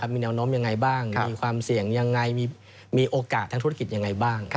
มีแนวโน้มยังไงบ้างมีความเสี่ยงยังไงมีโอกาสทางธุรกิจยังไงบ้าง